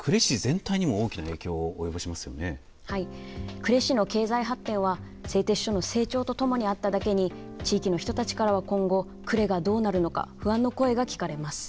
呉市の経済発展は製鉄所の成長とともにあっただけに地域の人たちからは今後呉がどうなるのか不安の声が聞かれます。